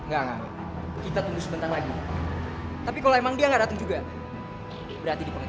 gak gak kita tunggu sebentar lagi tapi kalo emang dia gak dateng juga berarti dipengecut